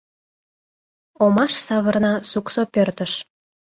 Омаш савырна суксо пӧртыш.